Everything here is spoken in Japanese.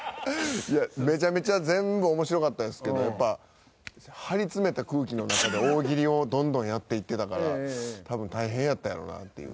めちゃめちゃ全部面白かったんですけどやっぱ張り詰めた空気の中で大喜利をどんどんやっていってたから多分大変やったやろなっていう。